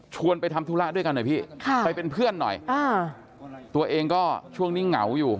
ไปทำธุระด้วยกันหน่อยพี่ไปเป็นเพื่อนหน่อยตัวเองก็ช่วงนี้เหงาอยู่